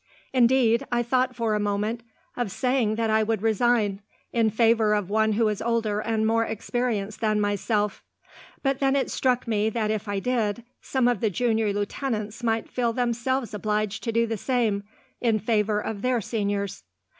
Indeed, I thought for a moment of saying that I would resign, in favour of one who was older and more experienced than myself; but then it struck me that if I did, some of the junior lieutenants might feel themselves obliged to do the same, in favour of their seniors."